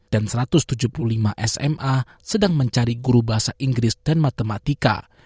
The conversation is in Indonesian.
dan satu ratus tujuh puluh lima sma sedang mencari guru bahasa inggris dan matematika